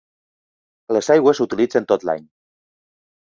Les aigües s'utilitzen tot l'any.